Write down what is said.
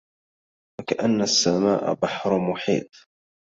فكأن السماء بحر محيط